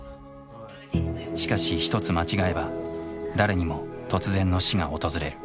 しかし一つ間違えば誰にも突然の死が訪れる。